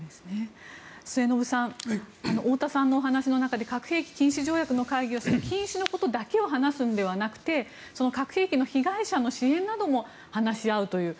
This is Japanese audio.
末延さん太田さんのお話の中で核兵器禁止条約の会議は禁止のことを話すのではなくて核兵器の被害者の支援なども話し合うという。